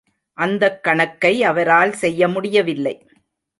அந்தக் கணக்கை அவரால் செய்ய முடியவில்லை.